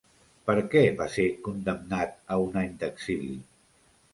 Per què va ser condemnat a un any d'exili?